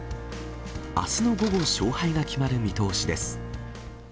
あすの午後、勝敗が決まる見通しです。